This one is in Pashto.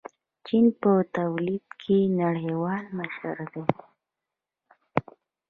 چین په تولید کې نړیوال مشر دی.